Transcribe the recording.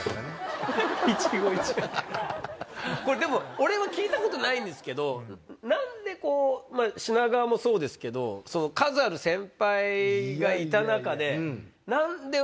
俺は聞いたことないんですけど何でこう品川もそうですけど数ある先輩がいた中で。